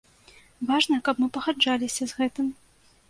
Важна, каб мы пагаджаліся з гэтым.